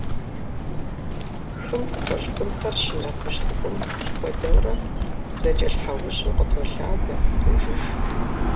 Хым толъкъунхэр щынэ хужь цӏыкӏум хуэдэурэ, зэкӏэлъхьэужьу къытолъадэ, тожыж.